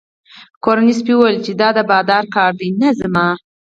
کورني سپي وویل چې دا د بادار کار دی نه زما.